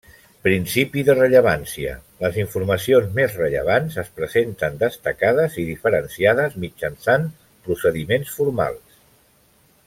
Principi de rellevància: les informacions més rellevants es presenten destacades i diferenciades mitjançant procediments formals.